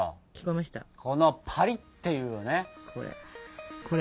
このパリッていうね音よ。